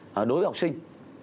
đối với học sinh